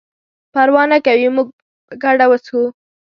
پروا نه کوي موږ به یې په ګډه وڅښو.